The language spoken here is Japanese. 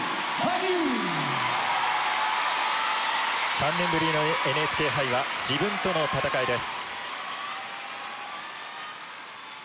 ３年ぶりのＮＨＫ杯は自分との闘いです。